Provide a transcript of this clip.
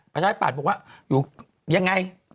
ประชาธิปัตย์บอกว่าอยู่ยังไง